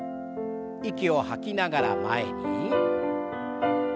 息を吐きながら前に。